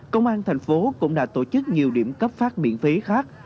công an tp cũng đã tổ chức nhiều điểm cấp phát miễn phí khác